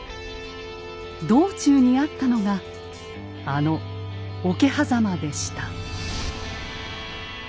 道中にあったのがあの桶狭間でした。